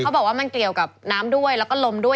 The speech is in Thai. บอกว่ามันเกี่ยวกับน้ำด้วยแล้วก็ลมด้วย